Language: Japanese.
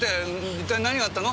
一体何があったの？